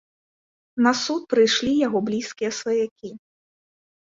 На суд прыйшлі яго блізкія сваякі.